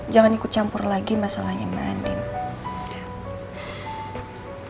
jangan ikut campur lagi masalahnya mbak andin